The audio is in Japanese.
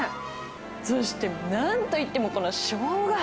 そしてなんといってもこのショウガ。